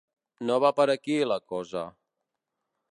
No va per aquí, la cosa.